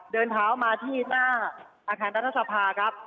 เดินเท้ามาที่หน้าอาคารรัฐสภาครับ